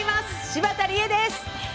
柴田理恵です。